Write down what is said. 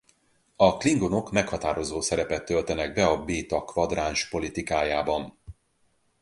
A klingonok meghatározó szerepet töltenek be a Béta kvadráns politikájában.